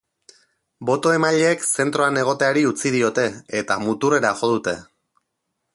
Boto-emaileek zentroan egoteari utzi diote, eta muturrera jo dute.